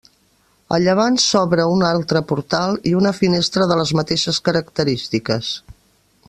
A llevant s'obre un altre portal i una finestra de les mateixes característiques.